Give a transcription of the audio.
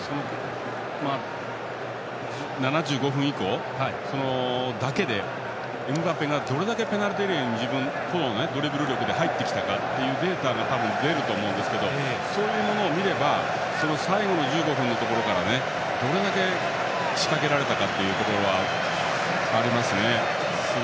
７５分以降だけでエムバペがどれだけペナルティーエリアに個のドリブル力で入ってきたかのデータが多分、出ると思いますがそういうものを見れば最後の１５分からどれだけ仕掛けられたかというのが分かりますね。